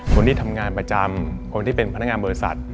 คนที่ทำงานประจำคนที่เป็นพนักงานบริษัท